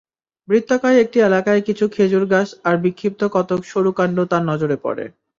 বৃত্তকায় একটি এলাকায় কিছু খেজুর গাছ আর বিক্ষিপ্ত কতক সরু কাণ্ড তাঁর নজরে পড়ে।